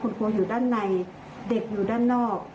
คุณครูอยู่ด้านในเด็กอยู่ด้านนอก